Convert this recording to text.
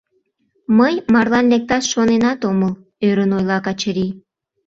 Мый марлан лекташ шоненат омыл, — ӧрын ойла Качырий.